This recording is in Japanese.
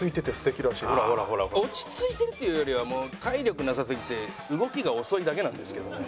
「落ち着いてる」っていうよりはもう体力なさすぎて動きが遅いだけなんですけどね。